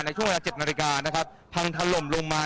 ในช่วงเวลา๗นาฬิกานะครับพังถล่มลงมา